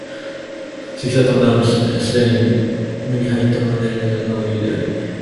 過ぎ去ったものは既に無に入ったものでありながらなお有であり、